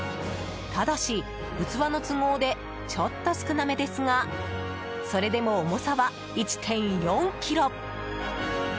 ただし、器の都合でちょっと少なめですがそれでも重さは１．４ｋｇ！